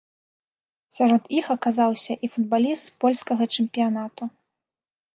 Сярод іх аказаўся і футбаліст польскага чэмпіянату.